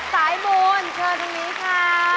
สายบุญเชิญตรงนี้ค่ะ